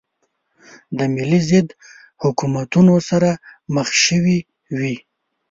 د ملي ضد حکومتونو سره مخ شوې وې.